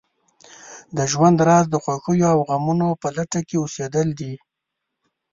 د ژوند راز د خوښیو او غمو په لټه کې اوسېدل دي.